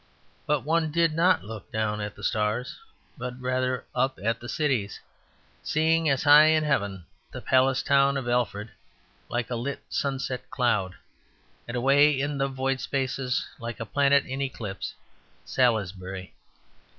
But one did not look down at the stars, but rather up at the cities; seeing as high in heaven the palace town of Alfred like a lit sunset cloud, and away in the void spaces, like a planet in eclipse, Salisbury.